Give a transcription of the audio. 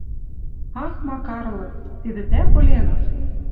«Ах, макарлык! Тидӹ тӓ, Поленов?